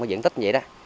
cái diện tích như vậy đó